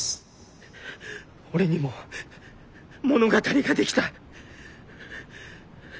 俺にも物語が出来た。